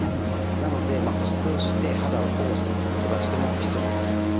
なので保湿をして肌を保護するということがとても必要になってきます。